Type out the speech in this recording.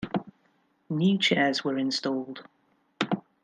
New chairs were installed.